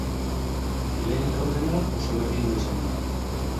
Lehen laurdena oso berdindua izan da.